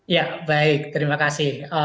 ya baik terima kasih